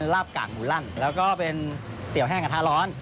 ลาบกากหมูลั่นแล้วก็เป็นเตี๋ยแห้งกระทะร้อน